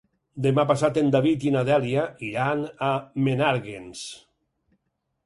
Demà passat en David i na Dèlia iran a Menàrguens.